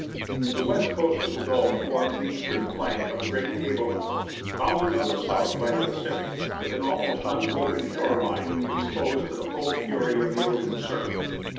The west coast of the gulf forms the eastern flank of a great tableland, bounded on the south by the Pacific, with an almost unbroken shore line, exposed to the full fury of the ocean surf.